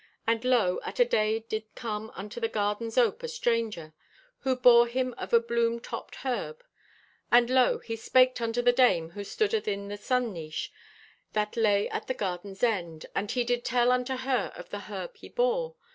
And lo, at a day did come unto the garden's ope a stranger, who bore him of a bloom topped herb. And lo, he spaked unto the dame who stood athin the sun niche that lay at the garden's end, and he did tell unto her of the herb he bore.